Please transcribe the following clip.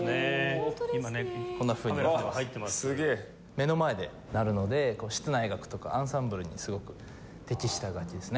目の前で鳴るので室内楽とかアンサンブルにすごく適した楽器ですね。